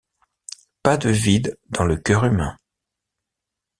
Pas de vide dans le cœur humain.